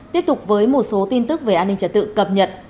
tiếp tục với một số tin tức về an ninh trật tự cập nhật